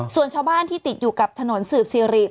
ส่วนชาวบ้านที่ติดอยู่กับถนนสืบซีริ